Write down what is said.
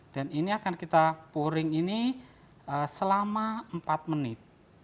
dan ini akan kita pouring ini selama empat menit